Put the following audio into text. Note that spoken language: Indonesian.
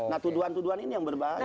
nah tuduhan tuduhan ini yang berbahaya